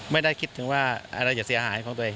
ไม่ได้คิดถึงว่าอะไรจะเสียหายของตัวเอง